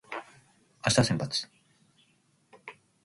明日は先発